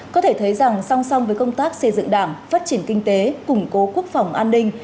có thể thấy rằng song song với công tác xây dựng đảng phát triển kinh tế củng cố quốc phòng an ninh